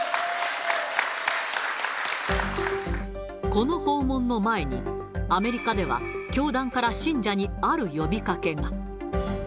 この訪問の前に、アメリカでは、教団から信者に、ある呼びかけが。